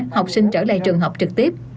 học sinh trở lại trường học trực tiếp